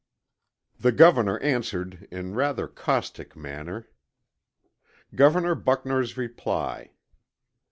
The Governor answered in rather caustic manner. _Governor Buckner's Reply.